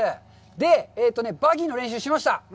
で、バギーの練習しました！